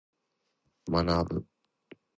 学ぶ。